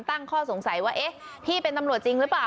ตั้งข้อสงสัยว่าเอ๊ะพี่เป็นตำรวจจริงหรือเปล่า